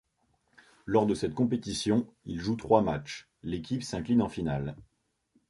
Lors de cette compétition, il joue trois matchs, l'équipe s'incline en finale.